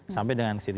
sampai dengan situ